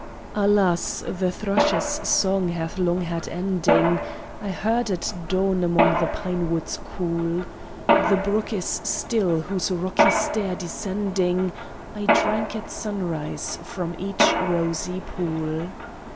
"Alas the thrushes' song hath long had ending I heard at dawn among the pine woods cool. The brook is still, whose rocky stair descending, I drank at sunrise from each rosy pool."